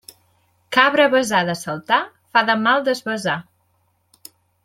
Cabra avesada a saltar, fa de mal desvesar.